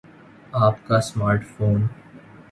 آپ کا smart phone